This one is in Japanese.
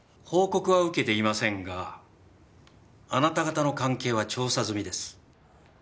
報告は受けていませんがあなた方の関係は調査済みです。